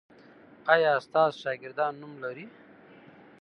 ایا ستاسو شاګردان نوم لری؟